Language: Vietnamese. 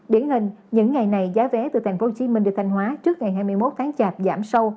điển hình những ngày này giá vé từ tp hcm đi thanh hóa trước ngày hai mươi một tháng chạp giảm sâu